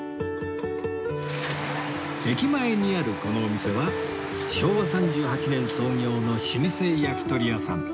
駅前にあるこのお店は昭和３８年創業の老舗焼き鳥屋さん